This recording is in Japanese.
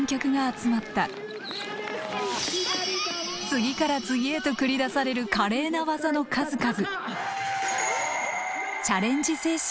次から次へと繰り出される華麗な技の数々。